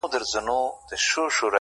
څه رنګه سپوږمۍ ده له څراغه يې رڼا وړې,